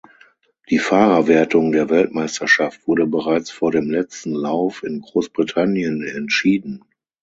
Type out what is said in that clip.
Die Fahrerwertung der Weltmeisterschaft wurde bereits vor dem letzten Lauf in Großbritannien entschieden.